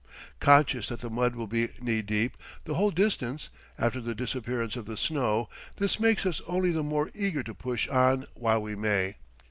Conscious that the mud will be "knee deep" the whole distance, after the disappearance of the snow, this makes us only the more eager to push on while we may.